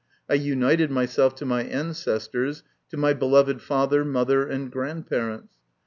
I united myself to my ancestors, to my beloved father, mother, and grandparents.